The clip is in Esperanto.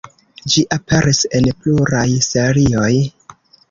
Ĝi aperis en pluraj serioj.